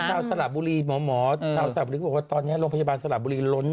สระบุรีหมอชาวสระบุรีก็บอกว่าตอนนี้โรงพยาบาลสระบุรีล้น